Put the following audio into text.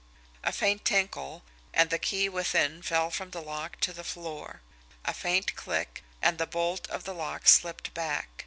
A faint tinkle and the key within fell from the lock to the floor. A faint click and the bolt of the lock slipped back.